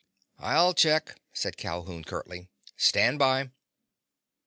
"I'll check," said Calhoun curtly. "Stand by."